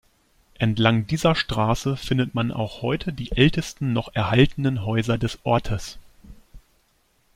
Entlang dieser Straße findet man auch heute die ältesten noch erhaltenen Häuser des Ortes.